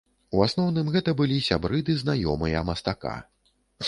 У асноўным, гэта былі сябры ды знаёмыя мастака.